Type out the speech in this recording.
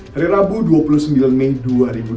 hari rabu dua puluh sembilan mei dua ribu dua puluh